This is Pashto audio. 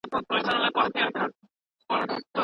ځيني سره پاشلي وه، سره ټول او يو ځای سول.